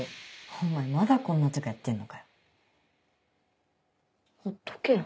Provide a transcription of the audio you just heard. お前まだこんなとこやってんのかよほっとけよ